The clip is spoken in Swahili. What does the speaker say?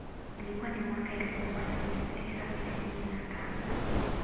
Ilikuwa ni mwaka elfu moja mia tisa tisini na tano